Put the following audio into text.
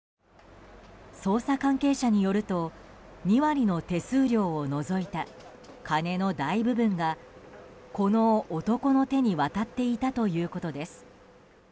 捜査関係者によると２割の手数料を除いた金の大部分が、この男の手に渡っていたということです。